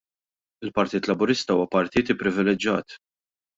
Il-Partit Laburista huwa partit ipprivileġġjat.